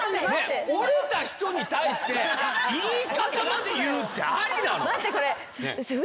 折れた人に対して言い方まで言うってありなの？